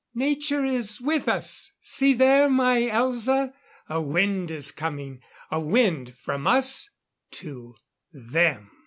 "Nature is with us! See there, my Elza! A wind is coming a wind from us to them!"